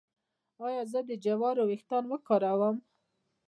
ایا زه د جوارو ويښتان وکاروم؟